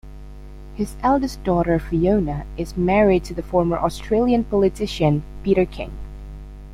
His eldest daughter, Fiona, is married to the former Australian politician Peter King.